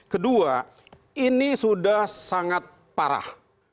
kedua ini sudah sangat parah